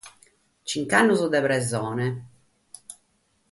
Chimbe annos de presone.